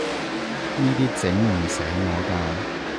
呢啲整唔死我㗎